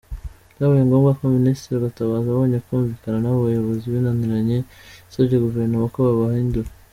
Byabaye ngombwa ko Ministre Gatabazi abonye kumvikana nabo bayobozi binaniranye, yasabye gouvernement ko babahindura.